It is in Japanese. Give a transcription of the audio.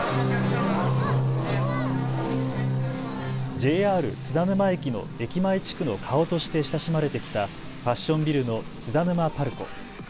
ＪＲ津田沼駅の駅前地区の顔として親しまれてきたファッションビルの津田沼パルコ。